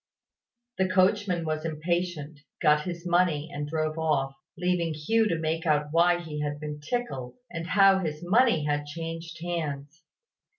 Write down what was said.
The coachman was impatient, got his money, and drove off, leaving Hugh to make out why he had been tickled, and how his money had changed hands.